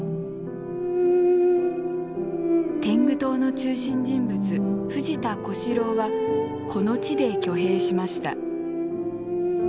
天狗党の中心人物藤田小四郎はこの地で挙兵しました。